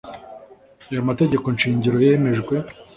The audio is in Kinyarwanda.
aya mategeko shingiro yemejwe